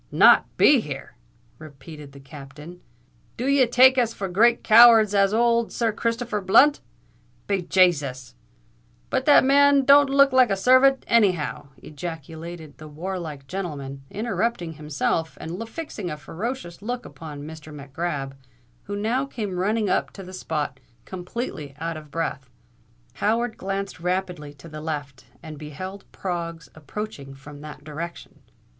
"Not be here!" repeated the Captain. "Do ye take us for as great cowards as ould Sir Christopher Blunt? Be Jasus——But that man don't look like a servant anyhow!" ejaculated the warlike gentleman, interrupting himself, and fixing a ferocious look upon Mr. Mac Grab, who now came running up to the spot, completely out of breath. Howard glanced rapidly to the left, and beheld Proggs approaching from that direction.